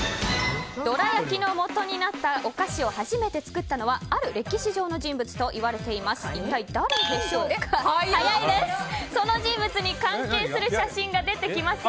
どら焼きのもとになったお菓子を初めて作ったのはある歴史上の人物といわれています。